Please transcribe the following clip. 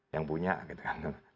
yang punya gitu kan